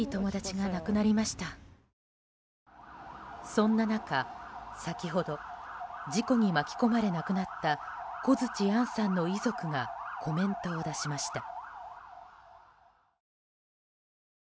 そんな中、先ほど事故に巻き込まれ亡くなった小槌杏さんの遺族がコメントを出しました。